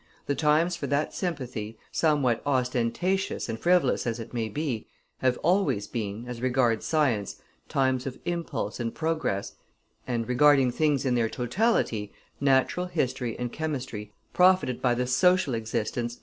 The times for that sympathy, somewhat ostentatious and frivolous as it may be, have always been, as regards sciences, times of impulse and progress, and, regarding things in their totality, natural history and chemistry profited by the social existence of M.